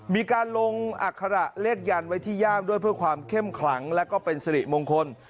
มีการลงอัคระเลขยันไว้ที่ย่ามด้วยเพื่อความเข้มขลังและก็เป็นสิริมงคล